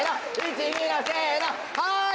はい！